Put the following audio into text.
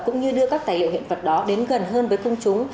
cũng như đưa các tài liệu hiện vật đó đến gần hơn với công chúng